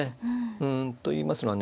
うんと言いますのはね